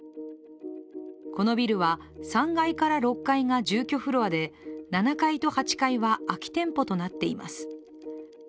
このビルは３階から６階が住居フロアで７階と８階は空き店舗となっています。